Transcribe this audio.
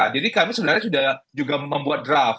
jadi kami sebenarnya sudah juga membuat draft